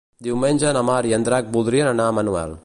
Diumenge na Mar i en Drac voldrien anar a Manuel.